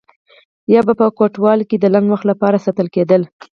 یا به په کوټوالۍ کې د لنډ وخت لپاره ساتل کېدل.